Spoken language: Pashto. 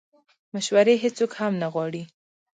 مشورې هیڅوک هم نه غواړي